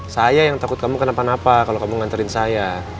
saya yang takut kamu kenapa napa kalau kamu nganterin saya